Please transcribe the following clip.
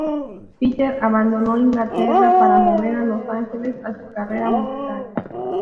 Peter abandonó Inglaterra para mover a los Ángeles a su carrera musical.